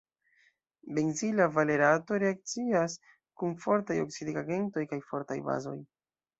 Benzila valerato reakcias kun fortaj oksidigagentoj kaj fortaj bazoj.